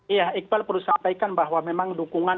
iya iqbal perlu sampaikan bahwa memang dukungan